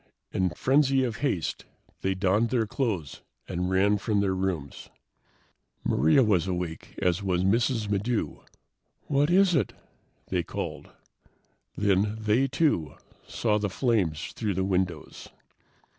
In frenzy of haste, they donned their clothes and ran from their rooms. Maria was awake as was Mrs. Maddox. "What is it?" they called. Then they, too, saw the flames through the windows.